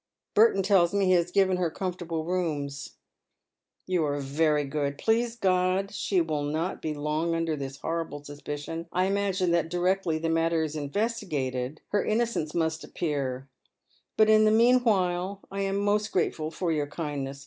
Burton tells me he has given her comfortable rooms." " You are very good. Please God she will not be long under this horrible suspicion. I imagine that directly the matter is 384 Dead 2aeiis Shoes. investigated lier innocence must appear ; but in the meanwhile I am most grateful for your kindness.